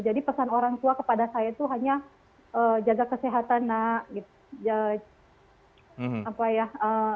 jadi pesan orang tua kepada saya itu hanya jaga kesehatan nah